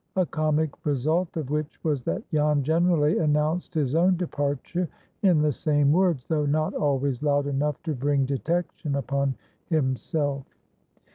A comic result of which was that Jan generally announced his own departure in the same words, though not always loud enough to bring detection upon himself.